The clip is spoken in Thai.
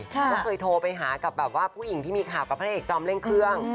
ก็เคยโทรไปหากับแบบว่าผู้หญิงที่มีข่าวกับพระเอกจอมเร่งเครื่อง